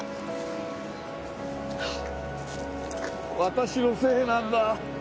ああ私のせいなんだ。